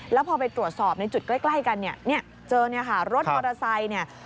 แล้วพอไปตรวจสอบในจุดใกล้กันเนี่ยเนี่ยเจอเนี่ยค่ะรถมอเตอร์ไซค์เนี่ย